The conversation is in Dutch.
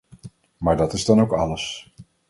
Maar dat is dan ook alles.